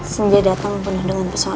senjai datang penuh dengan pesona